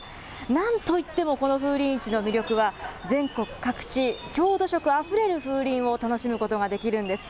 なんといってもこの風鈴市の魅力は、全国各地、郷土色あふれる風鈴を楽しむことができるんです。